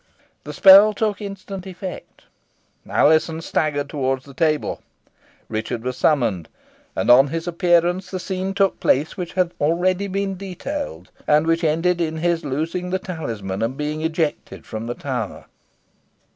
The spell took instant effect. Alizon staggered towards the table, Richard was summoned, and on his appearance the scene took place which has already been detailed, and which ended in his losing the talisman, and being ejected from the tower.